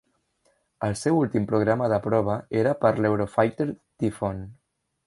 El seu últim programa de prova era per l'Eurofighter Typhoon.